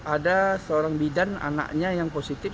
ada seorang bidan anaknya yang positif